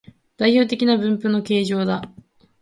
代表的な分布の形状だ